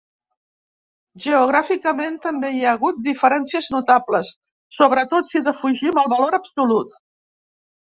Geogràficament, també hi ha hagut diferències notables, sobretot si defugim el valor absolut.